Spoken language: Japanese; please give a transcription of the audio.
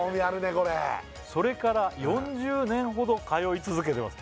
これ「それから４０年ほど通い続けてます」